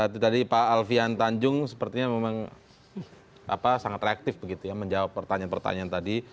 tadi pak alfian tanjung sepertinya memang sangat reaktif begitu ya menjawab pertanyaan pertanyaan tadi